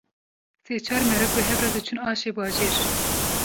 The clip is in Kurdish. sê-çar meriv bi hevra diçûn aşê bajêr